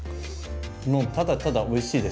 もうただただおいしいです。